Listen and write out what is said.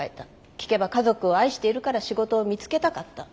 聞けば家族を愛しているから仕事を見つけたかった。